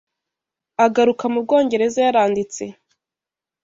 Agaruka mu Bwongereza yaranditse